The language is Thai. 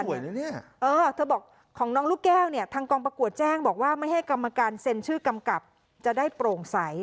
เนี่ยเออเธอบอกของน้องลูกแก้วเนี่ยทางกองประกวดแจ้งบอกว่าไม่ให้กรรมการเซ็นชื่อกำกับจะได้โปร่งใส